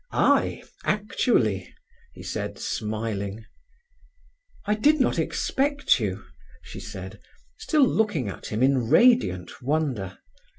"I, actually," he said, smiling. "I did not expect you," she said, still looking at him in radiant wonder.